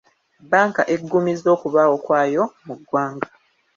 Bbanka eggumizza okubaawo kwayo mu ggwanga.